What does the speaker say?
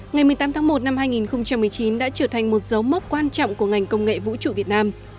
ngày một mươi tám tháng một năm hai nghìn một mươi chín đã trở thành một dấu mốc quan trọng của ngành công nghệ vũ trụ việt nam